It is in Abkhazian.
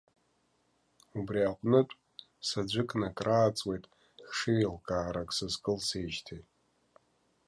Убри аҟнытә, саӡәыкны, акрааҵуеит хшыҩеилкаарак сазкылсижьҭеи.